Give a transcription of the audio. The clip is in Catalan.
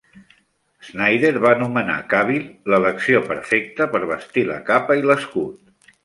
Snyder va anomenar Cavill "l'elecció perfecta per vestir la capa i l'escut".